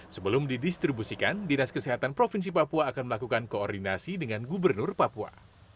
sebelum didistribusikan dinas kesehatan provinsi papua akan melakukan koordinasi dengan gubernur papua